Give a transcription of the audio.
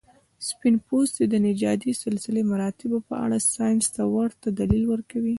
سپین پوستي د نژادي سلسله مراتبو په اړه ساینس ته ورته دلیل ورکوي.